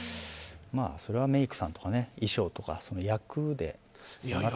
それはメイクさんとか衣装とかその役で。